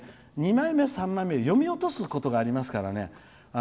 ２枚目、３枚目読み落とすことがありますからね